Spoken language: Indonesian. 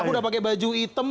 aku udah pakai baju hitam